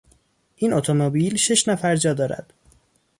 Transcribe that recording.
این اتومبیل شش نفر جا دارد.